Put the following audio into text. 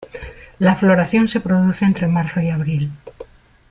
La floración se produce entre marzo y abril.